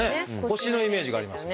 腰のイメージがあります。